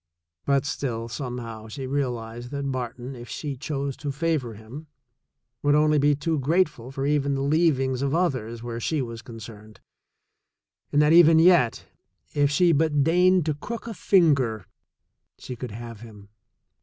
But still, somehow, she realized that Barton, if she chose to favor him, would only to be too grate ful for even the leavings of others where she was concerned, and that even yet, if she but deigned to crook a finger, she could have him.